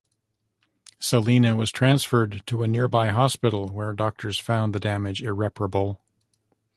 Selena was transferred to a nearby hospital, where doctors found the damage irreparable.